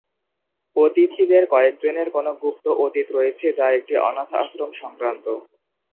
অতিথিদের কয়েকজনের কোনো গুপ্ত অতীত রয়েছে যা একটি অনাথ আশ্রম সংক্রান্ত।